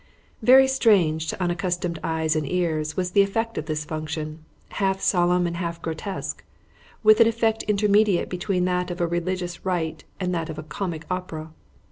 Very strange, to unaccustomed eyes and ears, was the effect of this function half solemn and half grotesque, with an effect intermediate between that of a religious rite and that of a comic opera.